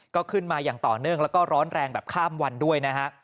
ก็ขึ้นมาอย่างต่อเนื่องแล้วก็ร้อนแรงแบบข้ามวันด้วยนะฮะ